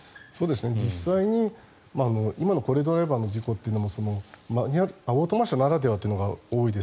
実際に今の高齢ドライバーというのもオートマ車ならではというのが多いです。